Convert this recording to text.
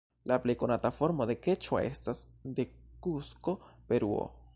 La plej konata formo de keĉua estas de Kusko, Peruo.